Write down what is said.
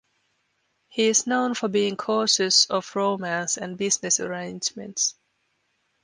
He is known for being cautious of romance and business arrangements.